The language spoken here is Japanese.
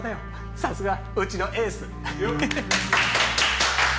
さすがうちのエース！